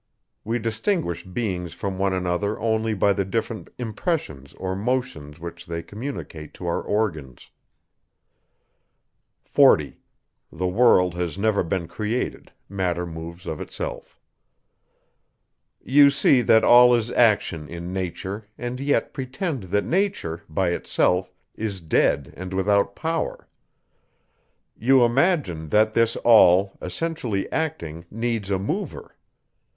We distinguish beings from one another only by the different impressions or motions which they communicate to our organs. 40. You see, that all is action in nature, and yet pretend that nature, by itself, is dead and without power. You imagine, that this all, essentially acting, needs a mover!